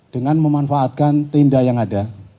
dengan memanfaatkan tenda yang ada